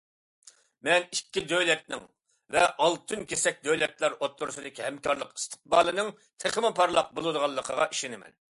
مەن، ئىككى دۆلەتنىڭ ۋە ئالتۇن كېسەك دۆلەتلەر ئوتتۇرىسىدىكى ھەمكارلىق ئىستىقبالىنىڭ تېخىمۇ پارلاق بولىدىغانلىقىغا ئىشىنىمەن.